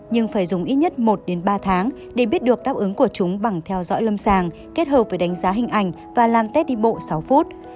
nhưng phải dùng ít nhất một đến ba tháng để biết được đáp ứng của chúng bằng theo dõi lâm sàng kết hợp với đánh giá hình ảnh và làm tét đi bộ sáu phút